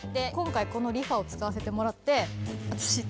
今回このリファを使わせてもらって。